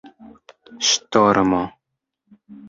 ŝtormo